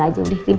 mau balik lagi